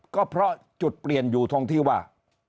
ก็เพราะจุดเปลี่ยนอยู่ตรงที่ว่า